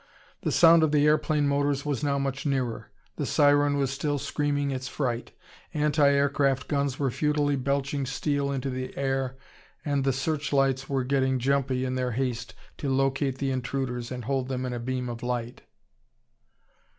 The sound of the airplane motors was now much nearer; the siren was still screaming its fright; anti aircraft guns were futilely belching steel into the air, and the searchlights were getting jumpy in their haste to locate the intruders and hold them in a beam of light.